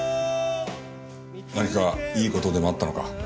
何かいい事でもあったのか？